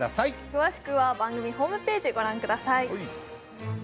詳しくは番組ホームページご覧ください